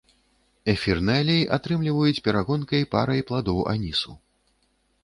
Эфірны алей атрымліваюць перагонкай парай пладоў анісу.